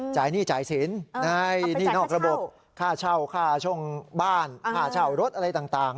หนี้จ่ายสินให้หนี้นอกระบบค่าเช่าค่าช่องบ้านค่าเช่ารถอะไรต่าง